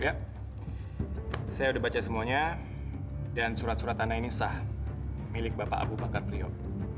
saya sudah baca semuanya dan surat surat tanda ini sah milik bapak abu bakar priok